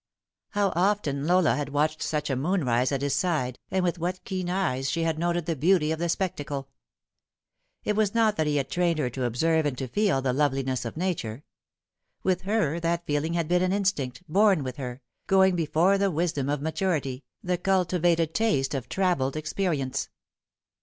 How often Lola had watched such a moonrise at his side, and with what keen eyes she had noted the beauty of the spectacle ! It was not that he had trained her to observe and to feel the loveliness of nature. With her that feeling had been an instinct, born with her, going before the wisdom of maturity, the culti vated taste of travelled experience.